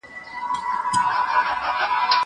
کتابتون ته راشه!!